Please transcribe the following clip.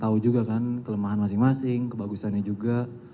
tahu juga kan kelemahan masing masing kebagusannya juga